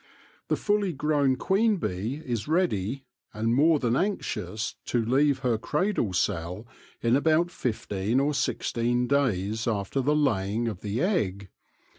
The fully grown queen bee is ready, and more than anxious to leave her cradle cell in about fifteen or sixteen days after the laying of the egg.